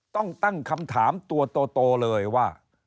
ต้องตั้งคำถามตัวโตเลยว่า